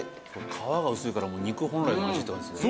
皮が薄いから肉本来の味って感じですね。